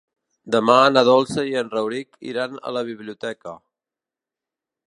Demà na Dolça i en Rauric iran a la biblioteca.